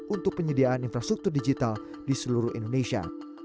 untuk penyediaan infrastruktur digital di seluruh indonesia